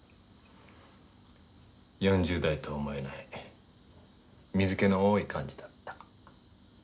４０代と思えない水気の多い感じだった。